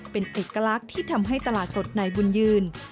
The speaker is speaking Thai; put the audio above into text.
เป็นเอกลักษณ์ที่ทำให้ตลาดสดนายบุญยืน